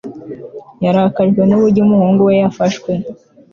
yarakajwe n'uburyo umuhungu we yafashwe